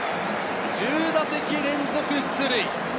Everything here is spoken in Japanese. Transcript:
１０打席連続出塁。